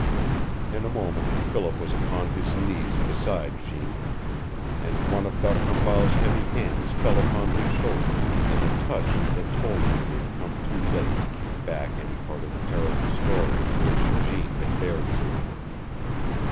In a moment Philip was upon his knees beside Jeanne, and one of D'Arcambal's heavy hands fell upon his shoulder in a touch that told him he had come too late to keep back any part of the terrible story which Jeanne had bared to him.